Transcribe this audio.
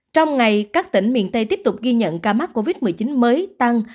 trong ngày các tỉnh miền tây tiếp tục ghi nhận ca mắc covid một mươi chín mới tăng